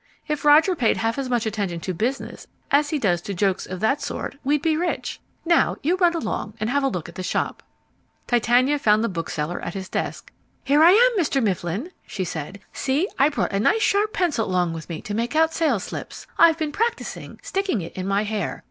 If Roger paid half as much attention to business as he does to jokes of that sort, we'd be rich. Now, you run along and have a look at the shop." Titania found the bookseller at his desk. "Here I am, Mr. Mifflin," she said. "See, I brought a nice sharp pencil along with me to make out sales slips. I've been practicing sticking it in my hair.